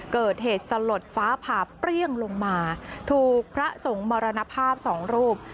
เกิดเหตุสลดฟ้าผ่าเปรี้ยงลงมาถูกพระสงฆ์มรณภาพสองรูป